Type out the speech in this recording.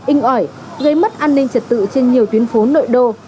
inh ỏi gây mất an ninh trật tự trên nhiều tuyến phố nội đô